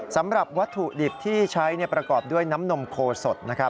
สำหรับวัตถุดิบที่ใช้ประกอบด้วยน้ำนมโคสดนะครับ